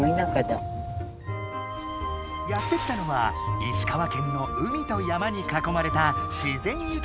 やって来たのは石川県の海と山にかこまれた自然ゆたかな場所。